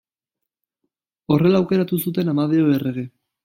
Horrela aukeratu zuten Amadeo errege.